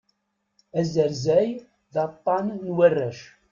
Azerzay, d aṭṭan n warrac.